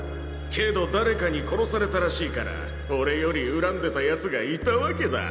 けど誰かに殺されたらしいから俺より恨んでた奴がいたわけだ。